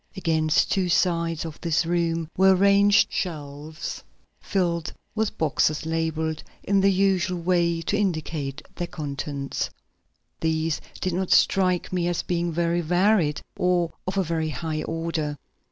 Against two sides of this room were arranged shelves filled with boxes labeled in the usual way to indicate their contents. These did not strike me as being very varied or of a very high order.